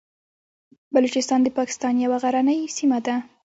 بلوچستان د پاکستان یوه غرنۍ سیمه ده.